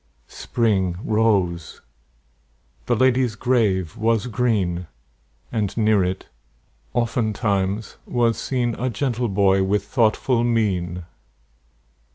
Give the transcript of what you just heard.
Spring rose; the lady's grave was green; And near it, oftentimes, was seen A gentle boy with thoughtful mien.